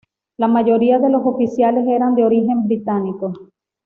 La mayoría de los oficiales eran de origen británico.